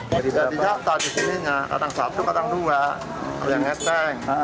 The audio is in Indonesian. jadi di jatah disininya kadang satu kadang dua ada yang ngeteng